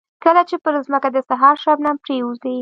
کله چې پر ځمکه د سهار شبنم پرېوځي.